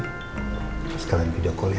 terus kalian video call ya